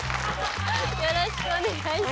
よろしくお願いします。